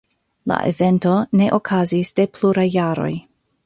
La evento ne okazis de pluraj jaroj.